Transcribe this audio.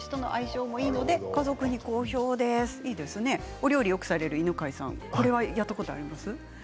お料理よくされる犬飼さんやったことあります？